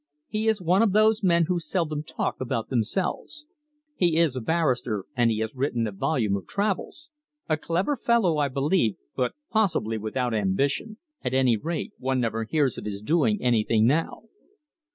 He is one of those men who seldom talk about themselves. He is a barrister, and he has written a volume of travels. A clever fellow, I believe, but possibly without ambition. At any rate, one never hears of his doing anything now."